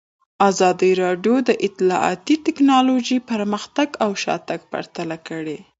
ازادي راډیو د اطلاعاتی تکنالوژي پرمختګ او شاتګ پرتله کړی.